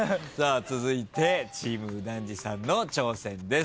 続いてチーム右團次さんの挑戦です。